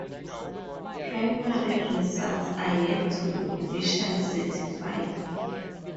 Primary results are yet to be officially certified.